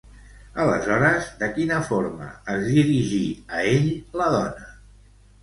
Aleshores, de quina forma es dirigí a ell la dona?